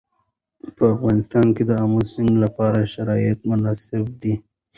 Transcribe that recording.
په افغانستان کې د آمو سیند لپاره شرایط مناسب دي.